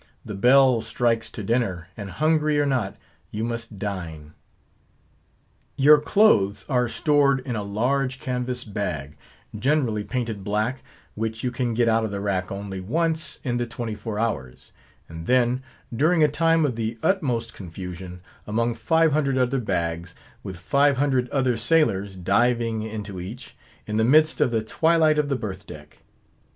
The bell strikes to dinner, and hungry or not, you must dine. Your clothes are stowed in a large canvas bag, generally painted black, which you can get out of the "rack" only once in the twenty four hours; and then, during a time of the utmost confusion; among five hundred other bags, with five hundred other sailors diving into each, in the midst of the twilight of the berth deck.